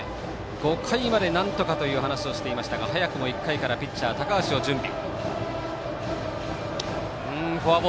５回までなんとかという話をしていましたが早くも１回からピッチャー高橋を準備。